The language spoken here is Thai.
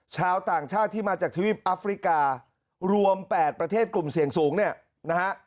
ชาวต่างชาติที่มาจากทวีปอัฟริการวม๘ประเทศกลุ่มเสี่ยงสูงเนี่ยนะฮะ